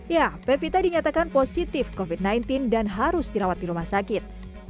ya pevita dinyatakan positif covid sembilan belas dan harus dirawat di rumah sakit